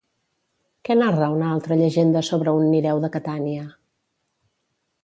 Què narra una altra llegenda sobre un Nireu de Catània?